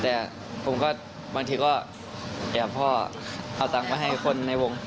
แต่ผมก็บางที่ก็แอบพ่อเอาตังค์มาให้คนในวงค์